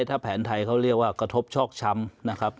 ถ้าแผนไทยเขาเรียกว่ากระทบชอกช้ำนะครับ